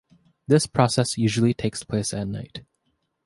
This process usually takes place at night.